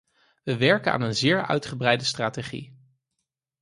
We werken aan een zeer uitgebreide strategie.